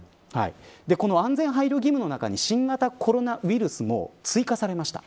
この安全配慮義務の中に新型コロナウイルスも追加されました。